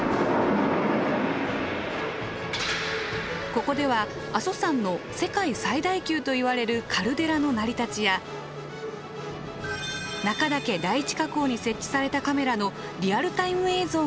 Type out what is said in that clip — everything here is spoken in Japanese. ここでは阿蘇山の世界最大級といわれるカルデラの成り立ちや中岳第一火口に設置されたカメラのリアルタイム映像が見られます。